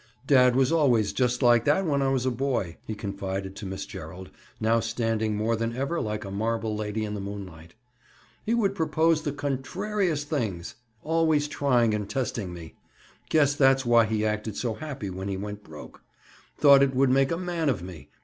"Dad was always just like that when I was a boy," he confided to Miss Gerald, now standing more than ever like a marble lady in the moonlight. "He would propose the contrariest things! Always trying and testing me. Guess that's why he acted so happy when he went broke. Thought it would make a man of me!